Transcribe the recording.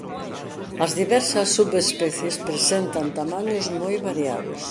As diversas subespecies presentan tamaños moi variados.